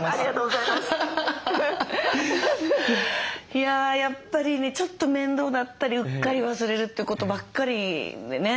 いややっぱりねちょっと面倒だったりうっかり忘れるってことばっかりでね